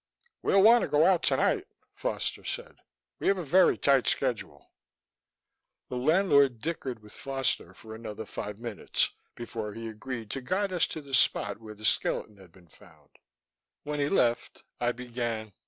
"We'll want to go out tonight," Foster said. "We have a very tight schedule." The landlord dickered with Foster for another five minutes before he agreed to guide us to the spot where the skeleton had been found. When he left, I began.